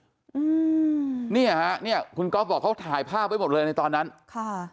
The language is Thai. อืมเนี่ยฮะเนี้ยคุณก๊อฟบอกเขาถ่ายภาพไว้หมดเลยในตอนนั้นค่ะ